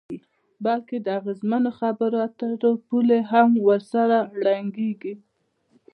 بلکې د اغیزمنو خبرو اترو پولې هم ورسره ړنګیږي.